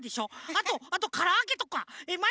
あとあとからあげとか。